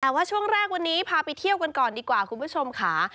แต่ว่าช่วงแรกวันนี้พาไปเที่ยวกันก่อนดีกว่าคุณผู้ชมค่ะ